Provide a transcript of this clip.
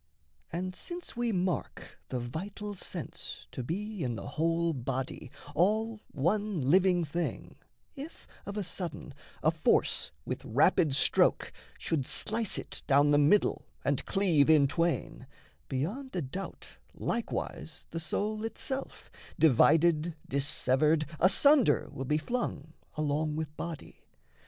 And since we mark the vital sense to be In the whole body, all one living thing, If of a sudden a force with rapid stroke Should slice it down the middle and cleave in twain, Beyond a doubt likewise the soul itself, Divided, dissevered, asunder will be flung Along with body.